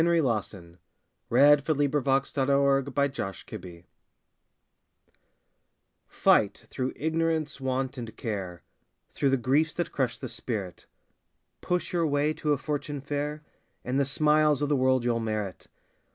THE UNCULTURED RHYMER TO HIS CULTURED CRITICS Fight through ignorance, want, and care Through the griefs that crush the spirit; Push your way to a fortune fair, And the smiles of the world you'll merit.